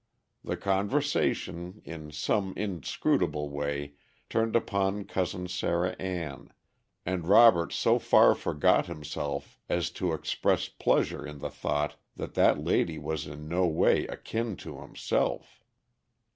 The conversation, in some inscrutable way, turned upon Cousin Sarah Ann, and Robert so far forgot himself as to express pleasure in the thought that that lady was in no way akin to himself.